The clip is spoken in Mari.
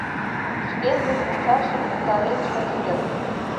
— Шкендын мучашым утарен шыч керт.